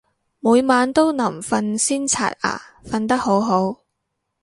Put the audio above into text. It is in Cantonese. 每晚都臨瞓先刷牙，瞓得好好